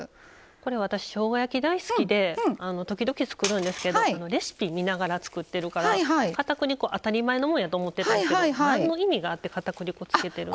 私しょうが焼き大好きで時々作るんですけどレシピ見ながら作ってるから片栗粉当たり前のもんやと思ってたんですけど何の意味があって片栗粉つけてるんですか？